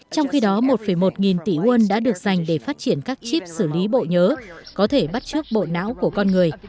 trong khi đó một một nghìn tỷ won đã được dành để phát triển các chip xử lý bộ nhớ có thể bắt trước bộ não của con người